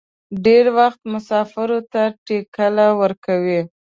ډېر وخت مسافرو ته ټکله ورکوي.